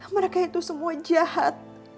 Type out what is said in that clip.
mereka itu semua jahat